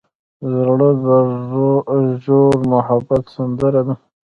زړه د ژور محبت سندره ده.